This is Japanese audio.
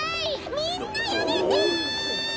みんなやめて！